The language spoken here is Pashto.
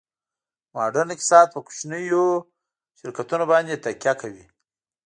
ماډرن اقتصاد په کوچنیو شرکتونو باندې تکیه کوي